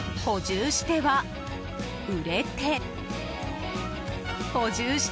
補充しては売れて。